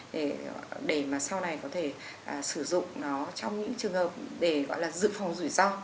để mà sau này có thể sử dụng nó trong những trường hợp để gọi là dự phòng rủi ro